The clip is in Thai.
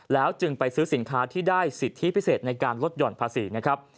แล้วจึงไปซื้อสินค้าที่ได้สิทธิพิเศษในการลดหย่อนภาษีนะครับ